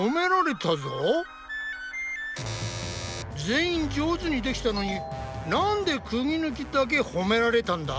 全員上手にできたのになんでクギぬきだけ褒められたんだ？